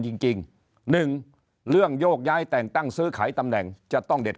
จริงจริงหนึ่งเรื่องโยกย้ายแต่งตั้งซื้อขายตำแหน่งจะต้องเด็ด